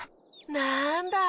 なんだ。